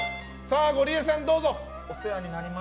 ゴリエさん、どうぞ。